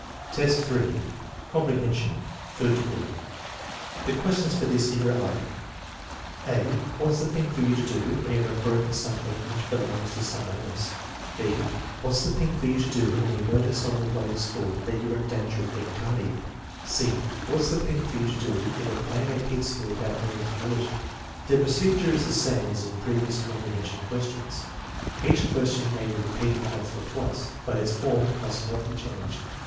VHI, 3. Comprehension, third degree ; >The questions for this year are: (a) "What '$ the thing for you to do when you have broken some thing which belongs to some one else f" (b) " What 9 s the thing for you to do when you notice on your way to school that you are in danger of being tardy f" (c) " What *s the thing for you to do if a playmate hits you without meaning to do it ?" The procedure is the same as in previous comprehension questions. 1 Each question may be repeated once or twice, but its form must not be changed.